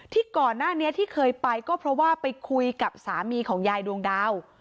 ที่ก่อนหน้านี้ที่เคยไปก็เพราะว่าไปคุยกับสามีของยายดวงดาว